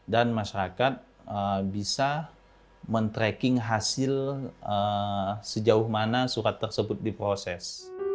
dan masyarakat bisa men tracking hasil sejauh mana surat tersebut diproses